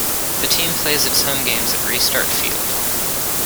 The team plays its home games at Restart Field.